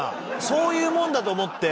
そういうもんだと思って？